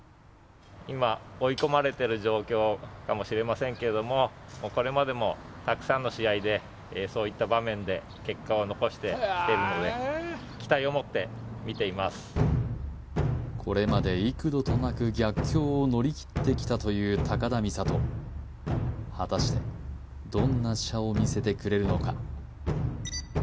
今追い込まれてる状況かもしれませんけれどもこれまでもたくさんの試合でそういった場面で結果を残してきてるのでこれまで幾度となく逆境を乗り切ってきたという高田実怜果たしてどんな射を見せてくれるのか？